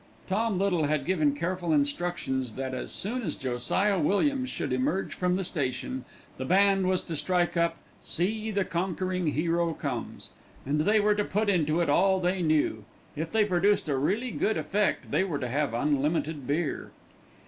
Tom Little had given careful instructions that as soon as Josiah Williams should emerge from the station, the band was to strike up "See the Conquering Hero Comes," and they were to put into it all they knew. If they produced a really good effect they were to have unlimited beer.